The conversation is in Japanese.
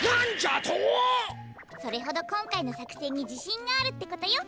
それほどこんかいのさくせんにじしんがあるってことよ